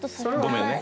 ごめんね。